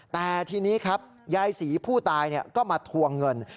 แต่ทีนี้ครับยายศรีผู้ตายก็มาทวงเงิน